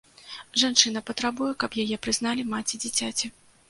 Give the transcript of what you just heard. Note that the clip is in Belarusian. Жанчына патрабуе, каб яе прызналі маці дзіцяці.